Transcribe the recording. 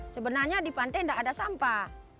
sebenarnya di pantai tidak ada sampah